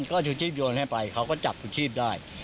ก็ชูชีพโยนให้ไปเขาก็จับชูชีพได้